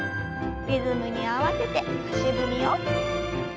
リズムに合わせて足踏みを。